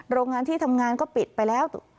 โรงงานที่ทำงานก็ปิดไปแล้ว